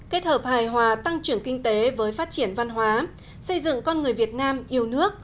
kết hợp hài hòa tăng trưởng kinh tế với phát triển văn hóa xây dựng con người việt nam yêu nước